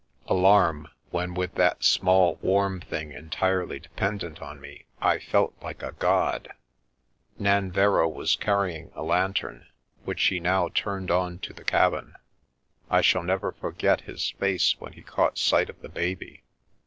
Alarm, when with that small, warm thing entirely de pendent on me I felt like a god ! Nanverrow was carrying a lantern, which he no\ turned on to the cabin. I shall never forget his fac when he caught sight of the baby.